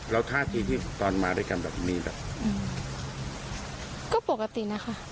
แล้วท่าทีที่ตอนมาด้วยกันแบบมีแบบก็ปกตินะคะ